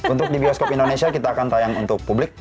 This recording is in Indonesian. untuk di bioskop indonesia kita akan tayang untuk publik